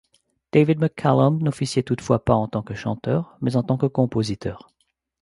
David McCallum n'officiait toutefois pas en tant que chanteur, mais en tant que compositeur.